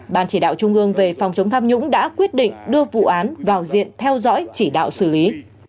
ban chỉ đạo trung ương về phòng chống tham nhũng đã quyết định đưa vụ án vào diện theo dõi chỉ đạo xử lý